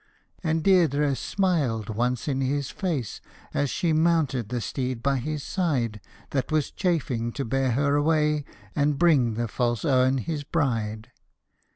And Deirdre smiled once in his face as she mounted the steed by his side, That was chafing to bear her away and bring the false Eogan his bride.